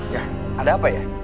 ya ada apa ya